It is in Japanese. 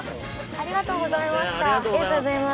ありがとうございます。